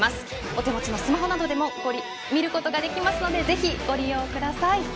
お手持ちのスマホなどでも見ることができますのでぜひ、ご利用ください。